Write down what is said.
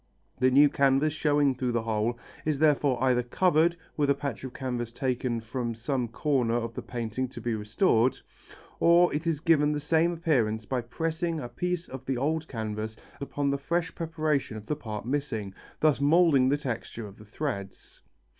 The new canvas showing through the hole is therefore either covered with a patch of canvas taken from some comer of the painting to be restored, or it is given the same appearance by pressing a piece of the old canvas upon the fresh preparation of the part missing, thus moulding the texture of the threads.